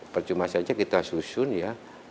percuma saja kita susun ya